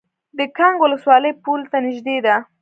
د کانګ ولسوالۍ پولې ته نږدې ده